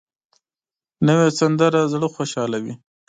نوې سندره زړه خوشحالوي